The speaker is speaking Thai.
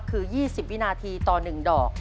คือ๒๐วินาทีต่อ๑ดอก